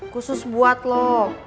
khusus buat lo